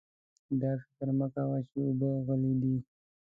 دا فکر مه کوه چې اوبه غلې دي.